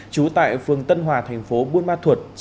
trú tại phường tân hòa thành phố buôn ma thuột